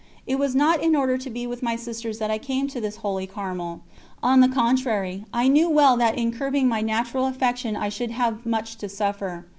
It was not in order to be with my sisters that I came to this holy Carmel; on the contrary, I knew well that in curbing my natural affection I should have much to suffer.